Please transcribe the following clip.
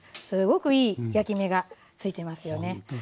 すごくいい焼き目が付いてますよね。